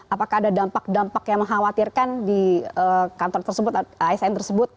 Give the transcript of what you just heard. apakah ada dampak dampak yang mengkhawatirkan di kantor tersebut asn tersebut